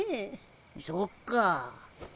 そっか。